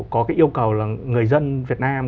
có cái yêu cầu là người dân việt nam